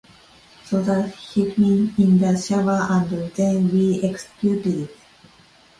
So that hit me in the shower and then we executed it.